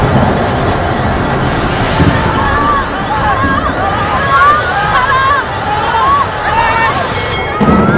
dendam dari kubur